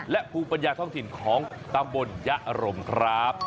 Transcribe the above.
และภูปรญญาท่องถิ่นของตำบลยะรมครับ